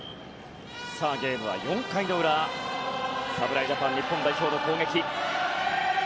ゲームは４回の裏侍ジャパン、日本代表の攻撃。